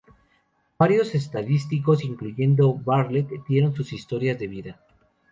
Varios estadísticos, incluyendo Bartlett, dieron sus historias de vida.